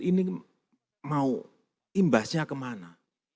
ini mau imbasnya kemana